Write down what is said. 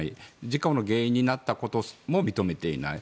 事故の原因になったことも認めていない。